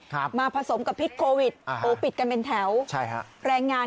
ครับมาผสมกับพิษโควิดอ่าโอ้ปิดกันเป็นแถวใช่ฮะแรงงาน